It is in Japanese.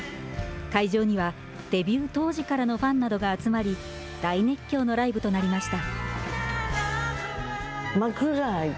会場には、デビュー当時からのファンなどが集まり、大熱狂のライブとなりました。